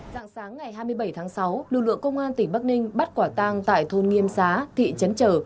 dạng sáng ngày hai mươi bảy tháng sáu lực lượng công an tỉnh bắc ninh bắt quả tang tại thôn nghiêm xá thị trấn trở